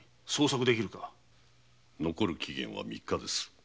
残る期限は三日です。